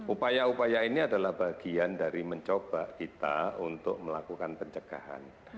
upaya upaya ini adalah bagian dari mencoba kita untuk melakukan pencegahan